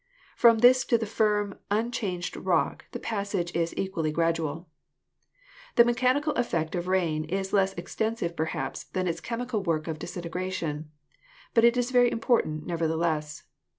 From this to the firm, un changed rock the passage is equally gradual. The mechanical effect of rain is less extensive perhaps than its chemical work of disintegration, but is very im portant, nevertheless.